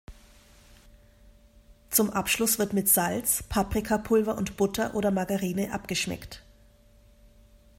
Zum Abschluss wird mit Salz, Paprikapulver und Butter oder Margarine abgeschmeckt.